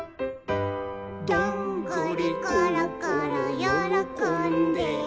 「どんぐりころころよろこんで」